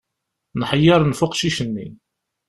Nḥeyyaṛen ɣef uqcic-nni.